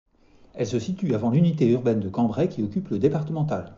Elle se situe avant l'unité urbaine de Cambrai qui occupe le départemental.